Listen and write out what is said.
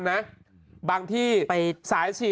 เช็ดแรงไปนี่